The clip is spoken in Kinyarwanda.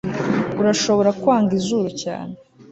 urashobora kwanga izuru cyane